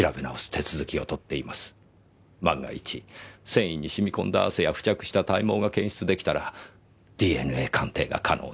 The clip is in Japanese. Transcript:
万が一繊維に染み込んだ汗や付着した体毛が検出できたらＤＮＡ鑑定が可能です。